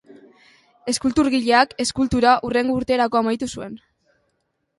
Eskulturgileak eskultura hurrengo urterako amaitu zuen.